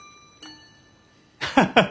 ハハハ。